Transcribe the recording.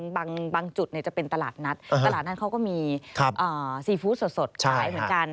บางจุดจะเป็นตลาดนัดตลาดนั้นเขาก็มีซีฟู้ดสดขายเหมือนกัน